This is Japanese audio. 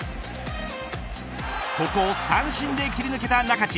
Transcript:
ここを三振で切り抜けた仲地。